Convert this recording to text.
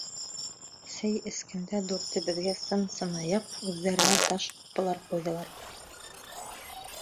Сәй эскәндә дүртәүебеҙгә сын сынаяҡ, үҙҙәренә таш ҡупылар ҡуйҙылар.